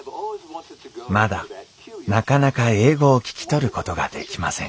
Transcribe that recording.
まだなかなか英語を聞き取ることができません